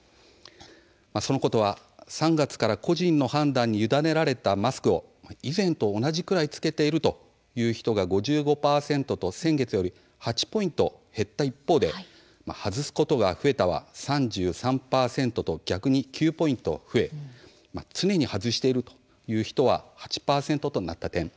そのことは３月から個人の判断に委ねられたマスクを以前と同じくらい着けているという人が５５％と先月より８ポイント減った一方で外すことが増えたは３３％と逆に９ポイント増え常に外しているは８％となった点。